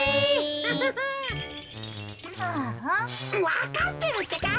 わかってるってか！